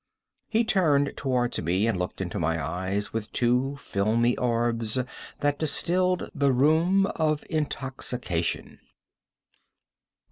He turned towards me, and looked into my eyes with two filmy orbs that distilled the rheum of intoxication.